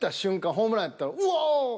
ホームランやったらうおっ！